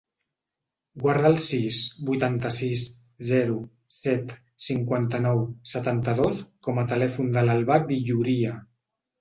Guarda el sis, vuitanta-sis, zero, set, cinquanta-nou, setanta-dos com a telèfon de l'Albà Villoria.